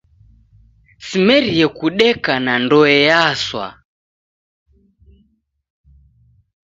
Simerie kudeka na ndoe yaswa!